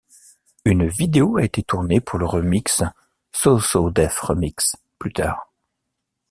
Une vidéo a été tournée pour le remix So So Def Remix plus tard.